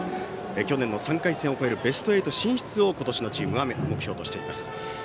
去年の３回戦を超えるベスト８進出を今年のチームは目標としています。